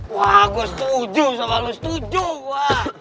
wah gue setuju sama lu setuju wah